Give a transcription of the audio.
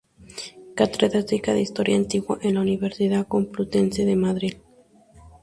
Catedrática de Historia Antigua en la Universidad Complutense de Madrid.